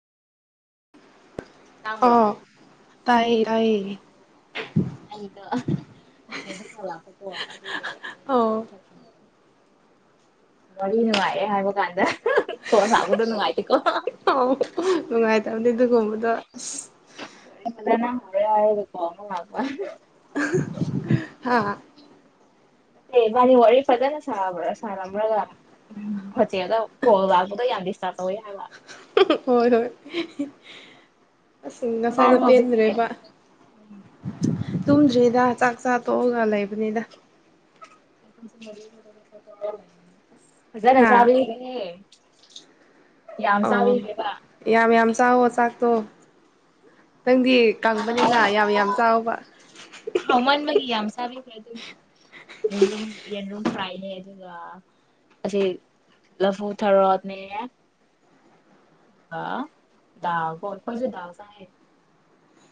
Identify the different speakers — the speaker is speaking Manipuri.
Speaker 1: ꯇꯥꯡ꯭ꯔꯣ
Speaker 2: ꯑꯣ ꯇꯥꯏꯌꯦ ꯇꯥꯏꯌꯦ
Speaker 1: ꯉꯗ ꯍꯣꯦꯜꯗꯣ ꯂꯥꯛꯄꯀꯣ ꯑꯗꯨꯒꯤꯩꯅꯗ
Speaker 2: ꯑꯣ
Speaker 1: ꯋꯥꯔꯤ ꯅꯨꯡꯉꯥꯏꯦ ꯍꯥꯏꯕ ꯀꯥꯟꯗ ꯀ ꯁꯥꯕꯨꯗ ꯅꯨꯡꯉꯥꯏꯀꯣ
Speaker 2: ꯑꯥꯎ ꯅꯨꯡꯉꯥꯏꯇꯕꯅꯦ ꯑꯗꯨꯒꯨꯝꯕꯗꯣ ꯑꯁ
Speaker 1: ꯍꯦꯅ ꯍꯦ ꯍꯥꯏꯕ ꯀ ꯂ
Speaker 2: ꯍꯥꯥ
Speaker 1: ꯑ ꯃꯥꯅꯤ ꯋꯥꯔꯤ ꯐꯖꯅ ꯁꯥꯕ꯭ꯔꯥ ꯁꯥꯔ꯭ꯔꯒ ꯍꯣꯇꯦꯜꯒ ꯀꯣꯜ ꯂꯥꯛꯄꯒ ꯌꯥꯝ ꯗꯤꯁꯇꯥꯔꯔꯕ ꯇꯧꯋꯤ ꯍꯥꯏꯕ
Speaker 2: ꯍꯣꯏ ꯍꯣꯏ ꯑꯁ ꯉꯁꯥꯏꯗ
Speaker 1: ꯆꯥꯔꯕꯣ ꯍꯧꯖꯤꯛꯇꯤ
Speaker 2: ꯄꯦꯟꯗ꯭ꯔꯦꯕ ꯇꯨꯝꯗ꯭ꯔꯤꯗ ꯆꯥꯛ ꯆꯥ ꯇꯣꯛꯑꯒ ꯂꯩꯕꯅꯤꯗ
Speaker 1: ꯆ ꯃꯔꯤ ꯍꯔꯒ ꯇꯧ ꯅꯪꯅ
Speaker 2: ꯍꯥ
Speaker 1: ꯆꯥꯕ ꯌꯦꯡꯅꯤꯡꯉꯤꯌꯦ
Speaker 2: ꯑ ꯌꯥꯝꯌꯥꯝ ꯆꯥꯎꯋꯣ ꯆꯛꯇꯣ ꯌꯥꯝ ꯌꯥꯝ ꯆꯥꯎꯕ
Speaker 1: ꯍꯥꯎꯃꯥꯟ ꯕꯒꯤ ꯌꯥꯝ ꯆꯥꯕꯤꯈ꯭ꯔꯦ ꯑꯗꯨꯝ ꯑꯗꯨꯒ ꯑꯁꯤ ꯂꯐꯨ ꯊꯔꯣꯠꯅꯦ ꯑꯗꯨꯒ ꯗꯥꯎꯣ ꯑꯩꯈꯣꯏꯁꯨ ꯗꯥ ꯆ